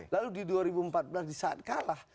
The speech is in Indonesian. lalu di dua ribu empat belas di saat kalah